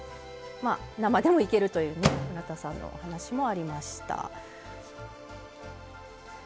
生でもいけるという村田さんのお話もありました。